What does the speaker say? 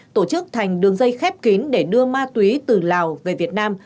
tổ chức thành đường dây khép kín để đưa ma túy từ lào về việt nam